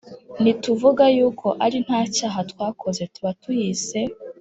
Nituvuga yuko ari nta cyaha twakoze tuba tuyise